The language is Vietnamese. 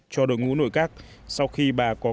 cho đội ngũ nội các sau khi bà có